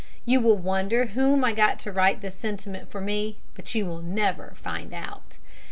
You will wonder whom I got to write this sentiment for me, but you will never find out.